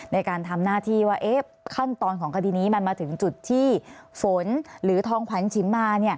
ในการทำหน้าที่ว่าขั้นตอนของคดีนี้มันมาถึงจุดที่ฝนหรือทองขวัญชิมมา